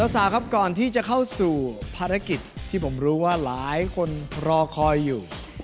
สาวครับก่อนที่จะเข้าสู่ภารกิจที่ผมรู้ว่าหลายคนรอคอยอยู่